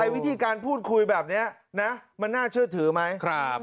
วิธีการพูดคุยแบบนี้นะมันน่าเชื่อถือไหม